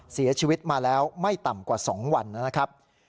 เสียชีวิตมาแล้วไม่ต่ำกว่า๒วันนะครับ